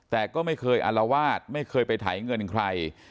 แต่ก็ไม่เคยอารวาสไม่เคยไปไถเงินใคร